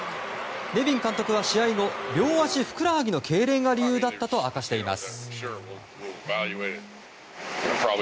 ネビン監督は試合後両足ふくらはぎのけいれんが理由だったと明かしています。